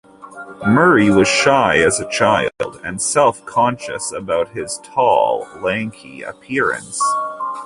Murray was shy as a child and self-conscious about his tall, lanky appearance.